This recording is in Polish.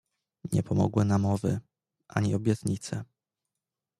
"Nie pomogły namowy, ani obietnice."